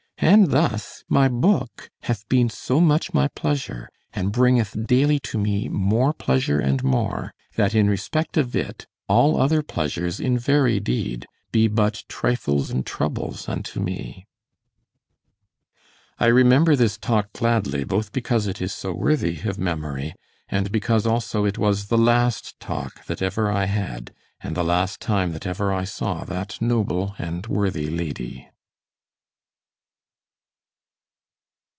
And thus my book hath been so much my pleasure, and bringeth daily to me more pleasure and more, that in respect of it, all other pleasures, in very deed, be but trifles and troubles unto me." I remember this talk gladly, both because it is so worthy of memory, and because also it was the last talk that ever I had, and the last time that ever I saw that noble and worthy lady.